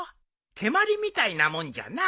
蹴鞠みたいなもんじゃな。